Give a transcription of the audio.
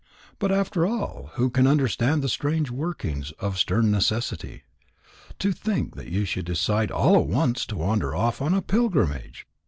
But after all, who can understand the strange workings of stern necessity? To think that you should decide all at once to wander off on a pilgrimage!